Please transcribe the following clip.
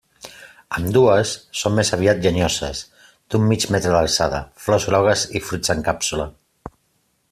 Ambdues són més aviat llenyoses, d'un mig metre d'alçada, flors grogues i fruits en càpsula.